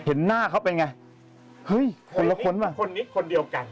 เห็นหน้าเขาเป็นไงเฮ้ยคนละคนป่ะคนนี้คนเดียวกัน